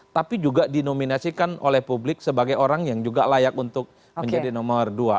tapi juga dinominasikan oleh publik sebagai orang yang juga layak untuk menjadi nomor dua